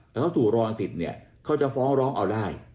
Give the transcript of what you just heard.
แต่เขาถูกรอสิทธิ์เนี่ยเขาจะฟ้องร้องเอาได้